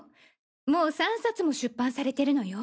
もう３冊も出版されてるのよ。